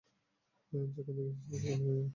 যেখান থেকে এসেছিলে, সেখানে ফিরে যাও।